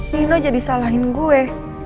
nino jadi salahin gue